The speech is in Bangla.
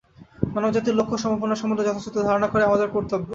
মানবজাতির লক্ষ্য ও সম্ভাবনা সম্বন্ধে যথাযথ ধারণা করাই আমাদের কর্তব্য।